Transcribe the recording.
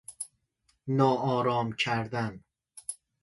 ناآرام کردن